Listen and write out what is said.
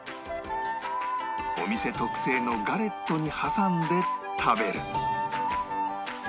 お店特製のガレットに挟んで食べる